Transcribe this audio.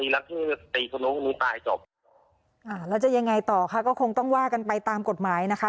แล้วที่ตีทะลุ้งหนูตายจบอ่าแล้วจะยังไงต่อคะก็คงต้องว่ากันไปตามกฎหมายนะคะ